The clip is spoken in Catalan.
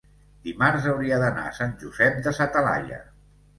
Dimarts hauria d'anar a Sant Josep de sa Talaia.